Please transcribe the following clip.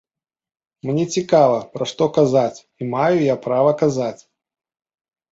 Мне цікава, пра што казаць, і маю я права казаць.